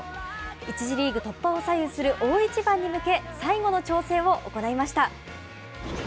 １次リーグ突破を左右する大一番に向け、最後の調整を行いました。